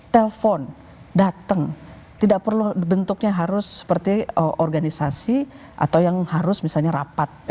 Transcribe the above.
telepon datang tidak perlu bentuknya harus seperti organisasi atau yang harus misalnya rapat